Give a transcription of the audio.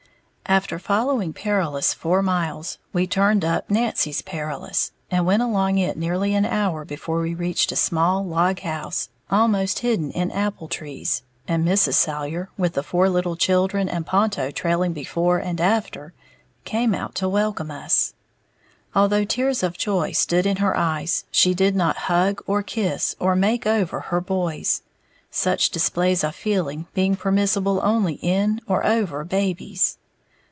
After following Perilous four miles, we turned up Nancy's Perilous, and went along it nearly an hour before we reached a small log house, almost hidden in apple trees, and Mrs. Salyer, with the four little children and Ponto trailing before and after, came out to welcome us. Although tears of joy stood in her eyes, she did not hug or kiss or "make over" her boys, such displays of feeling being permissible only in or over babies.